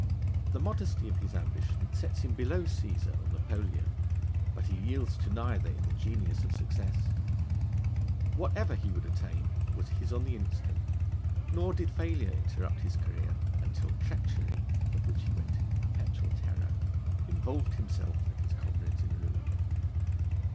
The modesty of his ambition sets him below Cæsar, or Napoleon, but he yields to neither in the genius of success: whatever he would attain was his on the instant, nor did failure interrupt his career, until treachery, of which he went in perpetual terror, involved himself and his comrades in ruin.